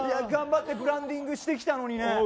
頑張ってブランディングしてきたのにね。